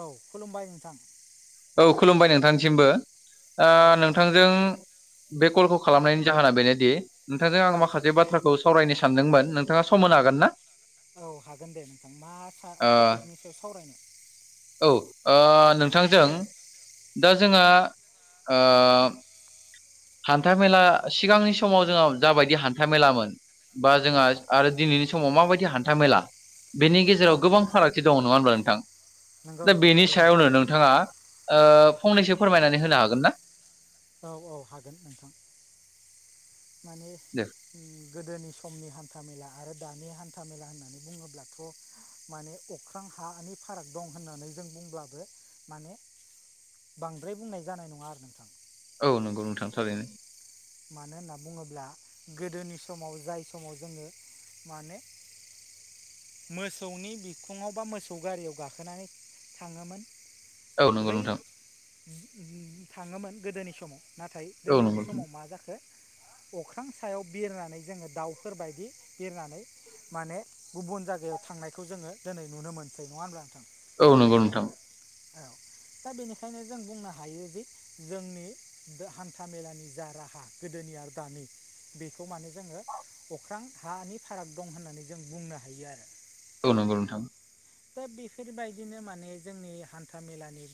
औ खुलुमबाय नोंथां। औ खुलुमबाय नोंथांसिमबो ओ औ औ नोंथांजों बे कलखौ खालामनायनि जाहोना बेनोदि नोंथांजों औ आं माखासे बाथ्रा खौ सावरायनो सानदोंमोन नोंथाङा सम होनो हागोन ना? औ हागोन दे नोंथां मा टपिकनि सायाव सावरायनो औ ओ नोंथांजों दा जोंहा ओ हान्था मेला सिगांनि समाव जों जाबायदि हान्था मेलामोन बा औ जोंहा औ आरो दिनैनि समाव माबायदि हान्था मेला बेनि औ गेजेराव गोबां फारागथि दङ नङा होनबा नोंथां। नंगौ दा नंगौ बेनि थारैनो सायावनो नोंथाङा ओ फंनैसो फोरमायनानै होनो हागोन ना। औ औ हागोन नोंथां माने दे। गोदोनि समनि हान्था मेला आरो दानि हान्था मेला होननानै बुङोब्लाथ'। माने अख्रां हानि फाराग दं होननानै जों बुंब्लाबो माने बांद्राय बुंनाय जानाय नङा आरो नोंथां। औ नंगौ नोंथां थारैनो। मानो होनना बुङोब्ला गोदोनि समाव जाय समाव जोङो माने मोसौनि बिखुङाव बा मोसौ गारियाव गाखोनानै थाङोमोन। औ नंगौ बै नोंथां थाङोमोन गोदोनि समाव नाथाय औ दिनैनि नंगौ समाव मा अख्रां सायाव बिरनानै जोङो दाउफोरबायदि बिरनानै माने गुबुन जायगायाव थांनायखौ जोङो दिनै नुनो मोनसै नङा होनब्ला नोंथां। औ नंगौ नोंथां। औ। दा बेनिखायनो जों बुंनो हायोदि जोंनि बे हान्था मेलानि जा राहा। गोदोनि आरो दानि बेखौ माने जोङो अख्रां हानि फाराग दं होननानै जों बुंनो हायो आरो। औ नंगौ नोंथां। दा बेफोरबायदिनो माने जोंनि हान्था-मेलानि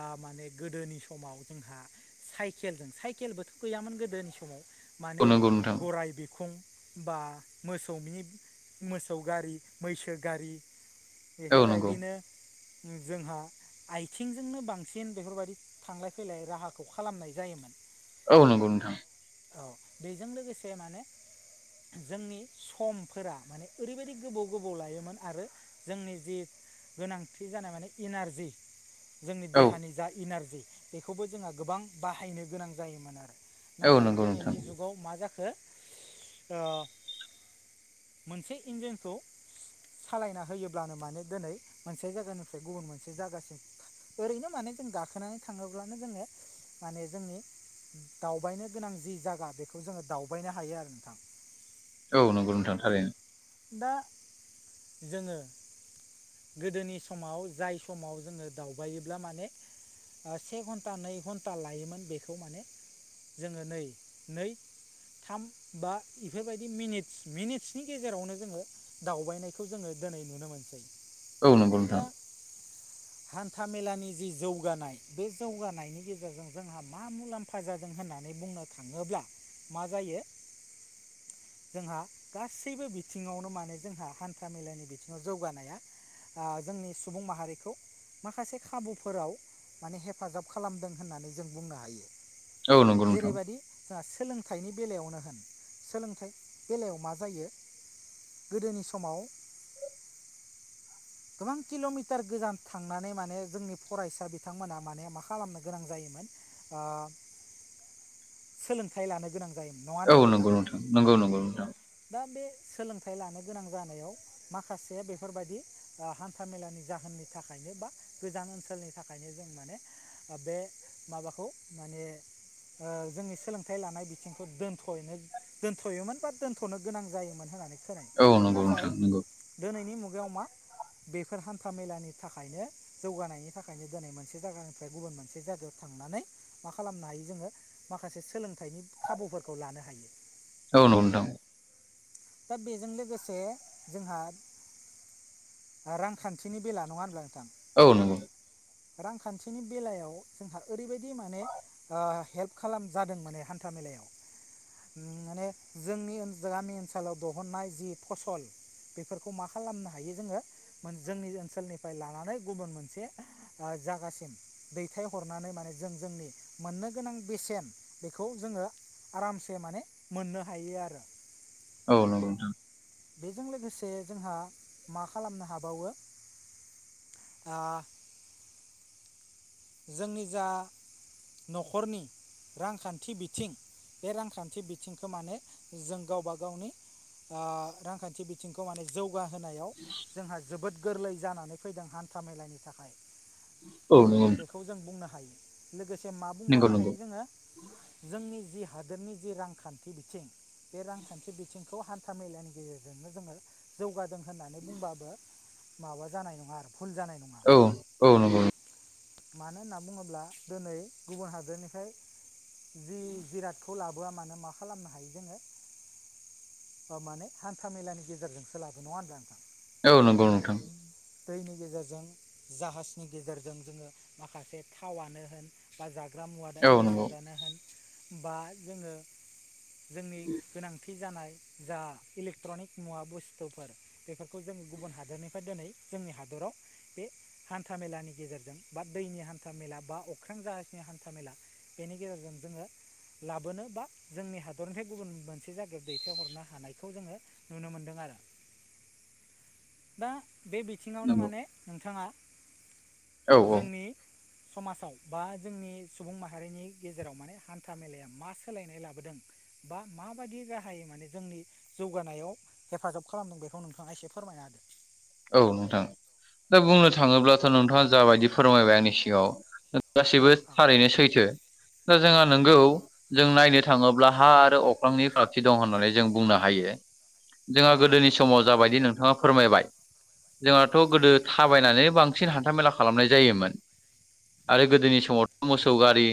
ओ माने गोदोनि समाव जोंहा साइकेलजों साइकेलबोथ' गैयामोन गोदो। गोदोनि समाव औ माने नंगौ नोंथां गराइ बिखुं बा मोसौनि मोसौ गारि, मैसो गारि औ नंगौ बेफोरबायदिनो जोंहा आइथिंजोंनो बांसिन बेफोरबादि थांलाय-फैलाय राहाखौ खालामनाय जायोमोन। औ नंगौ नोंथां औ बेजों लोगोसे माने जोंनि समफोरा माने ओरैबायदि गोबौ गोबौ लायोमोन आरो। जोंनि जि गोनांथि जानाय माने इनारजि। जोंनि औ देहानि जा इनारजि बेखौबो जोंहा गोबां बाहायनो गोनां जायोमोन आरो। औ नाथाय नंगौ नोंथां दिनैनि जुगाव मा जाखो ओ मोनसे इन्जिनखौ सालायना होयोब्लानो माने दोनै मोनसे जायगानिफ्राय गुबुन मोनसे जायगासिम ओरैनो माने जों गाखोनानै थाङोब्लानो जोङो माने जोंनि दावबायनो गोनां जि जायगा बेखौ जोङो दावबायनो हायो आरो नोंथां। औ नंगौ नोंथां थारैनो दा जोङो गोदोनि समाव जाय समाव जोङो दावबायोब्ला माने ओ से घन्टा नै घन्टा लायोमोन बेखौ माने जोङो नै नै थाम बा बेफोरबायदि मिनिट्स मिनिट्सनि गेजेरावनो जोङो दावबायनायखौ जोङो दिनै नुनो मोनसै औ नंगौ दा [inaudible] हान्था मेलानि जि जौगानाय बे जौगानायनि गेजेरजों जोंहा मा मुलाम्फा जादों होनना नानै बुंनो थाङोब्ला मा जायो जोंहा गासैबो बिथिङावनो माने जोंहा हान्था मेलानि बिथिङाव जौगानाया ओ जोंनि सुबुं माहारिखौ माखासे खाबुफोराव माने हेफाजाब खालामदों होननानै जों बुंनो हायो। औ नंगौ नोंथां जेरैबादि जोंहा सोलोंथाइनि बेलायावनो होन सोलोंथाइ बेलायाव मा जायो। गोदोनि समाव [inaudible] गोबां किल'मिटार गोजान थांनानै माने जोंनि फरायसा बिथांमोनहा माने मा खालामनो गोनां जायोमोन आ सोलोंथाइ लानो गोनां जायोमोन नङा औ होनब्ला नंगौ नोंथां नंगौ नंगौ नोंथां दा बे सोलोंथाइ लानो गोनां जानायाव माखासे बेफोरबायदि ओ हान्था मेलानि जाहोननि थाखायनो बा गोजान ओनसोलनि थाखायनो जों माने ओ बे माबाखौ माने ओ जोंनि सोलोंथाइ लानाय बिथिंखौ दोनथ'यैनो दोनथ'योमोन बा दोन्थ'नो गोनां जायोमोन होननानै खोनाय औ नंगौ नाथाय नोंथां नंगौ दोनैनि मुगायाव मा बेफोर हान्था मेलानि थाखायनो जौगानायनि थाखायनो दोनै मोनसे जायगानिफ्राय गुबुन मोनसे जायगायाव थांनानै मा खालामनो हायो जोङो। माखासे सोलोंथाइनि खाबुफोरखौ लानो हायो। औ नङाव दं। दा बेजों लोगोसे जोंहा रांखान्थिनि बेला नङा होनब्ला नोंथां औ नंगौ रांखान्थिनि बेलायाव जोंहा ओरैबायदि माने ओ हेल्प खालाम जादों माने हान्था मेलायाव माने जोंनि ओ गामि ओनसोलाव दहुननाय जि फसल बेफोरखौ मा खालामनो हायो जोङो जोंनि ओनसोलनिफ्राय लानानै गुबुन मोनसे जागासिम दैथायहरनानै माने जों जोंनि मोननो गोनां बेसेन बेखौ जोङो आरामसे माने मोननो हायो आरो औ नोंगौ नोंथां बेजों लोगोसे जोंहा मा खालामनो हाबावो आ जोंनि जा न'खरनि रांखान्थि बिथिं बे रांखान्थि बिथिंखौ माने जों गावबा गावनि ओ रांखान्थि बिथिंखौ माने जौ जौगा होनायाव जोंहा जोबोद गोरलै जानानै फैदों हान्था मेलानि थाखाय औ बे नंगौ बेखौ जों बुंनो हायो लोगोसे मा नंगौ बुंबावनो नंगौ हायो जोङो जोंनि जि हादोरनि जि रांखान्थि बिथिं बे रांखान्थि बिथिंखौ हान्था मेलानि गेजेरजोंनो जोङो जौगादों होननानै बुंबाबो माबा जानाय नङा आरो बुल जानाय नङा औ औ नंगौ मानो होनना बुङोब्ला दिनै गुबुन हादोरनिफ्राय जि जिरादखौ लाबोआ मानो मा खालामनो हायो जोङो ओ माने हान्था मेलानि गेजेरजोंसो लाबो नङा होनबा नोंथां औ नंगौ जोङो नोंथां दैनि गेजेरजों जाहाजनि गेजेरजों जोङो माखासे थावानो होन बा जाग्रा मुवा औ नंगौ बेसादानो होन बा जोङो जोंनि गोनांथि थि जानाय जा इलेक्ट्रनिक मुवा बुस्थुफोर बेफोरखौ जों गुबुन हादरनिफ्राय दिनै जोंनि हादोराव बे हान्था मेलानि गेजेरजों बा दैनि हान्था मेला बा अख्रां जाहाजनि हान्था मेला बेनि गेजेरजों जोङो लाबोनो बा जोंनि हादरनिफ्राय गुबुन मोनसे जायगायाव दैथायहरनो हानायखौ जोङो नुनो मोन्दों आरो [inaudible] दा बे बिथिआवनो नंगौ माने नोंथांआ औ औ जोंनि समाजाव बा जोंनि सुबुं माहारिनि गेजेराव माने हान्था मेलाआ मा सोलायनाय लाबोदों बा माबादि राहायै माने जोंनि जौगानायाव हेफाजाब खालामदों बेखौ नोंथाआ एसे फोरमायना होदो औ नोंथां दा बुंनो थाङोब्लाथ' नोंथांआ जाबादि फोरमायबाय आंनि सिगांआव औ गासैबो थारैनो सैथो दा औ जोंहा नोंगौ जों नायनो थाङोब्ला हा आरो अख्रांनि फारागथि दं होननानै जों बुंनो हायो औ जोंहा औ गोदोनि समाव जाबादि नोंथांआ फोरमायबाय जोंहाथ' गोदो थाबायनानै बांसिन हान्थामेला खालामनाय जायोमोन आरो गोदोनि समावथ' मोसौ गारि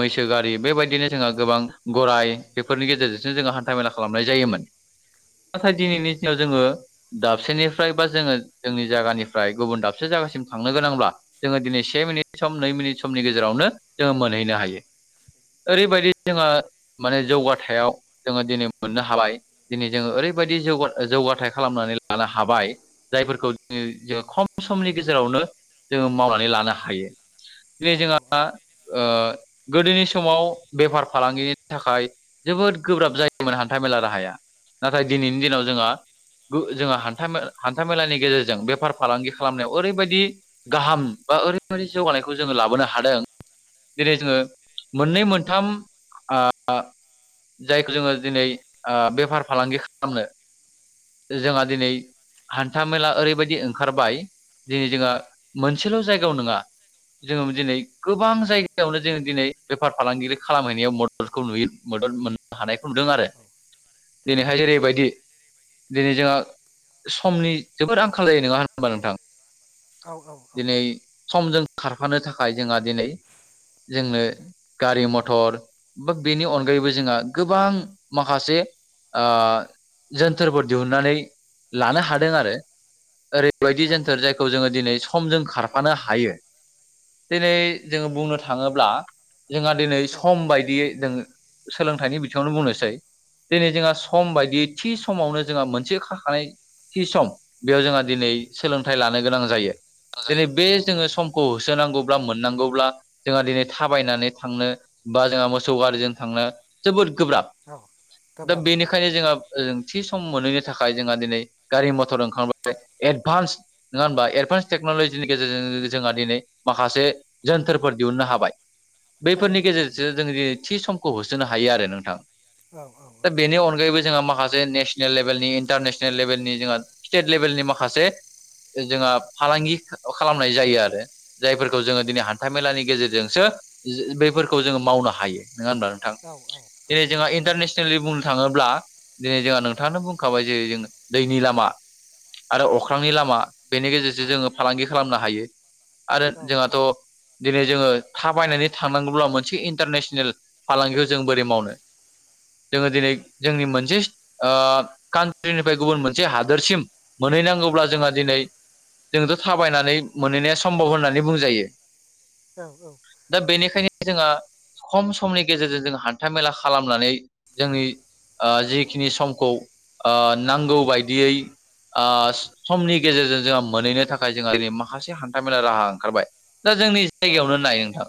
मैसो गारि बेबादिनो जोंहा गोबां गराय बेफोरनि गेजेरजोंसो जोङो हान्था मेला खालामनाय जायोमोन नाथाय दिनैनि दिनाव जोङो दाबसेनि फ्राय बा जोङो जोंनि जायगानिफ्राय गुबुन दाबसे जायगासिम थांनो गोनांब्ला जोङो दिनै से मिनिट सम नै मिनिट समनि हा गेजेरावनो जोङो मोनहैनो हायो ओरैबादि जोङो माने जौगाथाइआव जोङो दिनै मोननो हाबाय दिनै जोङो ओरैबादि जौगा जौगाथाय खालामनानै लानो हाबाय जायफोरखौ दिनै जों खम समनि गेजेरावनो जोङो मावनानै लानो हायो दिनै औ औ औ जोंहा ओ गोदोनि समाव बेफार फालांगिनि थाखाय जोबोद गोब्राब जायोमोन हान्था मेला राहाया नाथाय दिनैनि दिनाव जोंहा जोंहा हानथा हानथा मेलानि गेजेरजों बेफार फालांगि खालामनायाव ओरैबादि गाहाम बा ओरैबादि जौगानायखौ जोङो लाबोनो हादों जेरै औ जोङो मोननै मोनथाम जायखौ जोङो दिनै ओ बेफार फालांगि खालामनो जोंहा दिनै हान्थाामेला ओरैबादि ओंखारबाय दिनै जोंङो मोनसेल' जायगायाव नङा जों दिनै गोबां जायगायावनो जोङो दिनै बेफार फालांगिरि खालामहैनायाव मददखौ नुयो मदद मोनो हानायखौ औ नुदों औ आरो औ थारैनो दिनैहाय थारैनो जेरैबायदि दिनै जोंहा समनि जोबोर आंखाल जायो नङा होनोबा नोंथां औ औ औ दिनै समजों खारफानो थाखाय जोंहा दिनै जोंनो गारि मथर बा बेनि अनगायैबो जोंहा गोबां माखासे जोनथोरफोर दिहुनन्नानै लानो हादों आरो ओरैबादि औ जोनथोर जाय खौ जोङो दिनै समजों खारफानो हायो दिनै जोङो बुंनो थाङोब्ला जोंहा दिनै औ सम बादियै जों सोलोंथाइनि बिथिआवनो बुंनोसै दिनै जोंहा सम बायदियै थि समावनो जोंहा मोनसे खाखानाय थि सम बेयाव जोंहा दिनै सोलोंथाइ लानो गोनां जायो दिनै बे जोङो समखौ होसोनांगौब्ला मोननांगौब्ला जोंहा दिनै थाबायनानै थांनो बा जोंहा मोसौ गारिजों थांनो जोबोद गोब्राब दा गोब्राब गोब्राब बेनिखायनो औ जोंहाओ थि सम मोनैनि थाखाय जोंहा दिनै गारि मथर ओंखारबाय एडभान्स नङा होनबा एडभान्स टेक्न'लजिनि गेजेरजों जोंहा दिनै माखासे जोनथोरफोर दिहुननो हाबाय बैफोरनि थारैनो गेजेरजों थारैनो जों दिनै थि समखौ होसोनो हायो आरो नोंथां औ औ दा बेनि अनगायैबो जोंहा माखासे नेसनेल लेभेलनि इन्टारनेसनेल लेभेलनि जोंहा स्टेट लेभेलनि माखासे जोंहा फालांगि खालामनाय जायो आरो जायफोरखौ जोङो दिनै हान्था मेलानि गेजेरजोंसो बेैफोरखौ जोङो मावनो हायो नङा होनबा नोंथां औ औ दिनै औ जोंहा नंगौ इन्टारनेसनेललि बुं थाङोब्ला दिनै जोंहा नोंथांनो बुंखाबाय जे जों दैनि लामा आरो औ औ अख्रांनि लामा बेनि गेजेरजों जोङो फालांगि खालामनो हायो आरो औ जोंहाथ' दिनै जोङो थाबायनानै थांनांगौब्ला मोनसे इन्टारनेसनेल फालांगिखौ जों बोरै मावनो जोङो दिनै औ जोंनि मोनसे कान्ट्रिनि गुबुन मोनसे हादोरसिम मोनहैनांगौब्ला औ जोंहा दिनै जोंथ' थाबायनानै मोनहैनाया सम्भब होननानै बुंजायो औ औ दा बेनिखायनो जोंहा खम समनि गेजेरजों जों हान्था मेला खालामनानै जोंनि ओ जिखिनि समखौ ओ नांगौ बायदियै ओ समनि गेजेरजों जोंहा मोनहैनो थाखाय जोंहा दिनै माखासे हान्था मेला राहा ओंखारबाय दा जोंनि औ जायगायावनो औ नाय नोंथां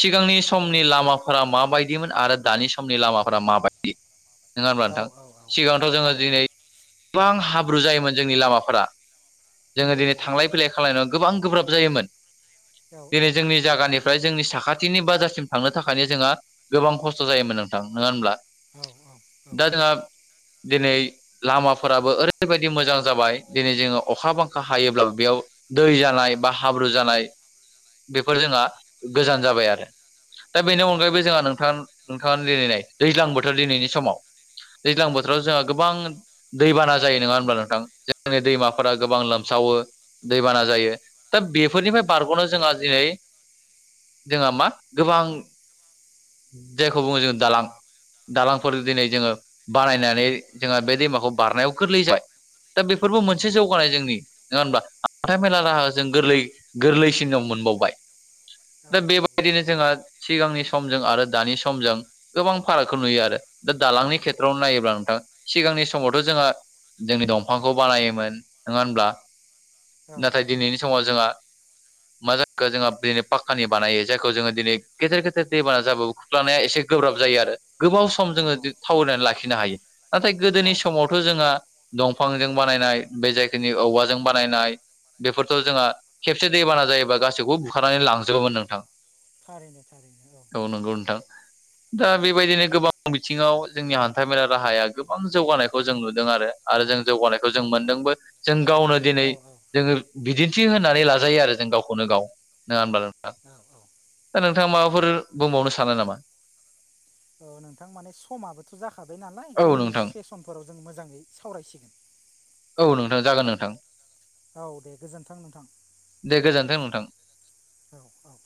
सिगांनि समनि थारैनो लामा फोर माबायदिमोन आरो दानि समनि लामाफोरा माबायदि नङा होनबा औ नोंथां औ सिगांथ' औ जोङो औ दिनै गोबां हाब्रु जायोमोन जोंनि लामाफोरा जोङो नंगौ दिनै नंगौ थांलाय फैलाय खालामनायाव गोबां गोब्राब जायोमोन औ औ दिनै जोंनि जायगानिफ्राय जोंनि साखाथिनि बाजारसिम थांनो थाखायनो जोंहा गोबां खस्थ' जायोमोन नोंथां नङा होनब्ला औ दा जोंहा दिनै लामाफोराबो ओरैबायदि मोजां जाबाय दिनै जोङो अखा बांखा हायोब्ला बेयाव दै जानाय बा हाब्रु जानाय बेफोर जोंहा गोजान जाबाय आरो दा औ बेनि अनगायैबो जोंहा नोंथां नोंथाङा लेलैनाय दैज्लां बोथोर दिनैनि समाव दैज्लां बोथोराव जोंहा गोबां दैबाना जायो नङा होनब्ला नोंथां जोंनि दैमाफोरा गोबां लोम सावो दैबाना जायो दा बेफोरनिफ्राय बारग'नो जोंहा दिनै जोंहा मा गोबां जायखौ बुङो जोङो दालां औ दालांफोर दिनै औ जोङो बानायनानै जोंहा बे दैमाखौ बारनायाव गोरलै जाबाय दा बेफोरबो मोनसे नंगौ नंगौ जौगानाय जोंनि नङा होनबा हान्था जौगानाय मेला जौगानाय राहा जों गोरलै गोरलैसिनाव मोनबावबाय औ दा बेबायदिनो जोंहा सिगांनि समजों आरो दानि समजों गोबां फारागखौ औ नुयो आरो दा दालांनि औ खेथ्रआव नायोब्ला नोंथां सिगांनि स समावथ' जोङो जोंनि दंफांखौ बानायोमोन नोङा होमब्ला औ नाथाय दिनैनि समाव जोंहा मा जाखो जोंहा दिनै पाक्कानि बानायो जायखौ जोङो दिनै गेदेर गेदेर दैबाना जाबाबो खुख्लांनाया एसे गोब्राब जायो आरो गोबाव सम जोङो औ थावरियनानै लाखिनो हायो नाथाय औ गोदोनि सम औ थ' जोंहा दंफांजों बानायनाय बे जायखिनि औवाजों बानायनाय बेफोरथ' जोंहा खेबसे दैबाना जायोबा गासैखौबो बुखारनानै लांजोबोमोन नोंथां थारैनो थारैनो औ औ नोंगौ नोथां दा बेबायदिनो गोबां बिथिङाव जोंनि हान्था मेला राहाया गोबां जौगानाय खौ जों नुदों आरो जों जौगानायखौ औ जों मोनदोंबो जों गावनो दिनै जोङो बिदिन्थि होननानै लाजायो आरो जों गावखौनो गाव नङा होनबा नोंथां? औ औ दा नोंथाङा माबाफोर बुंबावनो सानो नामा? औ नोंथां माने समाबोथ' जाखाबाय नालाय औ उननिस नोंथां सेसनफोराव जों मोजाङै सावरायसिगोन। औ नोंथां जागोन नोंथां। औ दे गोजोन्थां नोंथां दे गोजोन्थों नोंथां। औ औ।